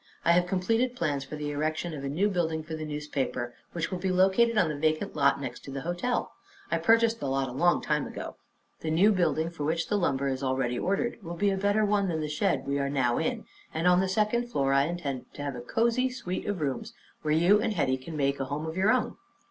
I have completed plans for the erection of a new building for the newspaper, which will be located on the vacant lot next to the hotel. I purchased the lot a long time ago. The new building, for which the lumber is already ordered, will be a better one than the shed we are now in, and on the second floor I intend to have a cozy suite of rooms where you and Hetty can make a home of your own.